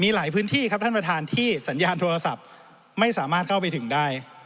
มีหลายพื้นที่ที่สัญญาณโทรศัพท์ไม่สามารถเข้าไปถึงได้